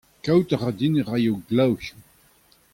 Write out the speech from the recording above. Kavout a ra din e raio glav hiziv.